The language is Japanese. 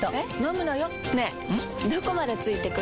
どこまで付いてくる？